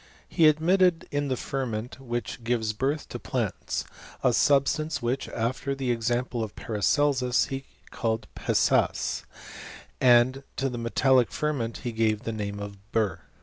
He admitted in the ferment which gives birth to plants, a substance which, after the example of Paracelsus^, he called pessas, and to the metallic ferment he gaT^ the name of bur.